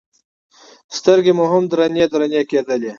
سترګې مو هم درنې درنې کېدلې.